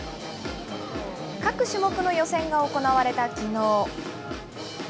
各種目の予選が行われたきのう。